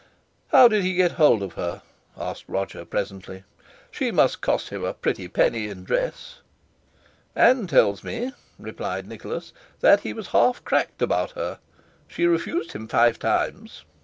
"How did he get hold of her?" asked Roger presently. "She must cost him a pretty penny in dress!" "Ann tells me," replied Nicholas, "he was half cracked about her. She refused him five times.